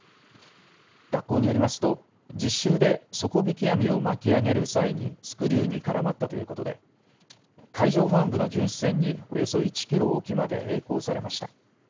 学校によりますと実習で底引き網を巻き上げる際にスクリューに絡まったということで海上保安部の巡視船におよそ１キロ沖までえい航されました。